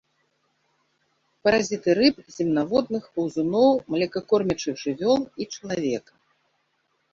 Паразіты рыб, земнаводных, паўзуноў, млекакормячых жывёл і чалавека.